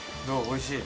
おいしい？